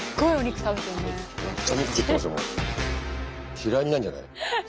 嫌いになるんじゃない？